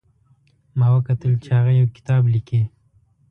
ما وکتل چې هغه یو کتاب لیکي